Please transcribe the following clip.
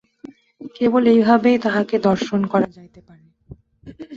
কেবল এইভাবেই তাঁহাকে দর্শন করা যাইতে পারে।